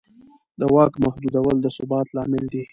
د واک محدودول د ثبات لامل دی